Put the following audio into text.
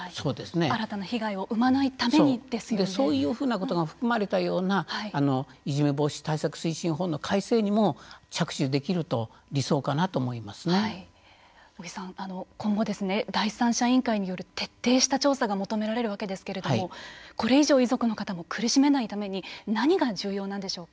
新たな被害をそういうふうなことが含まれたようないじめ防止対策推進法の改正にも着手できると尾木さん、今後第三者委員会による徹底した調査が求められるわけですけれどもこれ以上、遺族の方を苦しめないために何が重要なんですか。